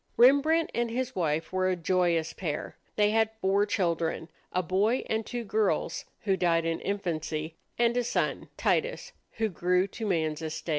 Rembrandt and his wife were a joyous pair. They had four children, a boy and two girls who died in infancy and a son, Titus, who grew to man's estate.